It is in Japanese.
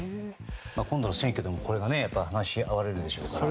今度の選挙でもこれが話し合われるでしょうから。